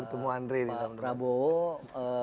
bertemu andre di dalam debat